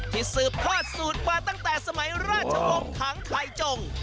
ที่ซืบพลอดสูตรมาตั้งแต่สมัยราชองค์ขังไทยจง